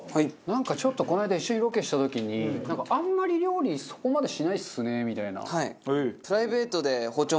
なんかちょっとこの間一緒にロケした時に「あんまり料理そこまでしないっすね」みたいな。